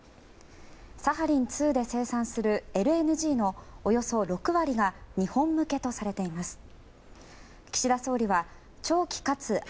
サハリン２で生産するＬＮＧのおよそ６割が日本向けとされています。